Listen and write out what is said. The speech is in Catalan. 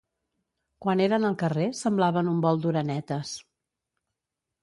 Quan eren al carrer semblaven un vol d'orenetes